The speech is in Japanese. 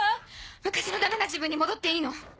昔のダメな自分に戻っていいの？